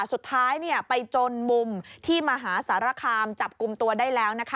สุดท้ายไปจนมุมที่มหาสารคามจับกลุ่มตัวได้แล้วนะคะ